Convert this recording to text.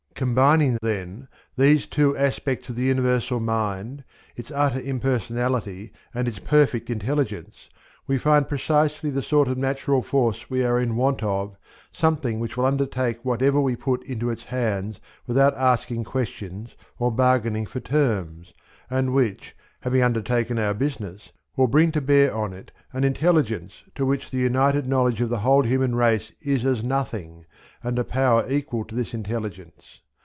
Combining then, these two aspects of the Universal Mind, its utter impersonality and its perfect intelligence, we find precisely the sort of natural force we are in want of, something which will undertake whatever we put into its hands without asking questions or bargaining for terms, and which, having undertaken our business, will bring to bear on it an intelligence to which the united knowledge of the whole human race is as nothing, and a power equal to this intelligence.